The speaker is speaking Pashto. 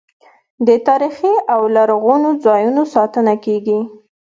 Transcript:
د تاریخي او لرغونو ځایونو ساتنه کیږي.